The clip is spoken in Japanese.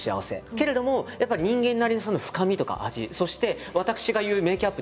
けれどもやっぱり人間なりにその深みとか味そして私が言うメイクアップで言う色気ですね。